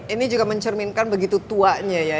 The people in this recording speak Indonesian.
ini juga mencerminkan begitu tuanya ya